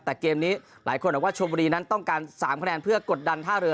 แต่เกมนี้หลายคนบอกว่าชมบุรีนั้นต้องการ๓คะแนนเพื่อกดดันท่าเรือ